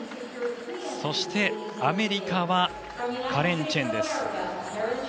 そしてアメリカはカレン・チェンです。